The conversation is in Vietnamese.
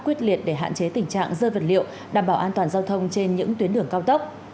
quyết liệt để hạn chế tình trạng rơi vật liệu đảm bảo an toàn giao thông trên những tuyến đường cao tốc